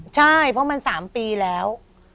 ใช่เพราะมัน๓ปีแล้ว